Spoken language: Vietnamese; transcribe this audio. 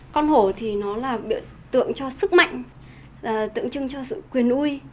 con hổ thì nó là biểu tượng cho sức mạnh tượng trưng cho sự quyền ui